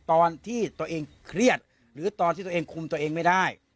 ตอนที่ตัวเองเครียดหรือตอนที่ตัวเองคุมตัวเองไม่ได้